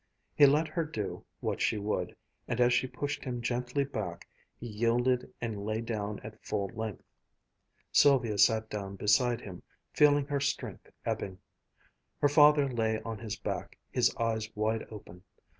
He let her do what she would, and as she pushed him gently back, he yielded and lay down at full length. Sylvia sat down beside him, feeling her strength ebbing. Her father lay on his back, his eyes wide open.